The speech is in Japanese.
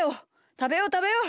たべようたべよう！